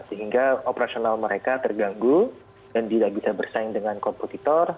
sehingga operasional mereka terganggu dan tidak bisa bersaing dengan komputer